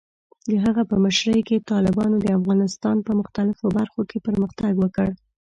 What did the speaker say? د هغه په مشرۍ کې، طالبانو د افغانستان په مختلفو برخو کې پرمختګ وکړ.